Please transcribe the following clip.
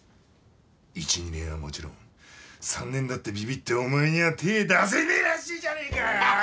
１・２年はもちろん３年だってビビってお前には手ぇ出せねえらしいじゃねえか！